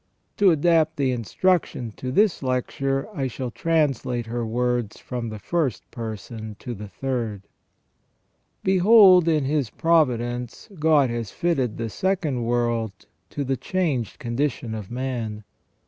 To adapt the instruction to this lecture, I shall translate her words from the first person to the third :—" Behold, in His providence God has fitted the second world to the changed condition of man